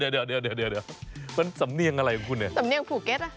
มันสำเนียงอะไรของคุณเนี่ยสำเนียงภูเก็ต